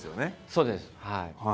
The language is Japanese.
そうです。